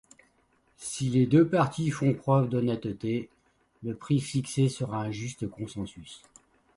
Si les deux parties font preuve d'honnêteté, le prix fixé sera un juste consensus.